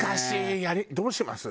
どうします？